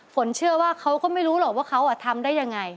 ฝนเชื่อว่าเขาก็ไม่รู้หรอกว่าเขาทำได้ยังไง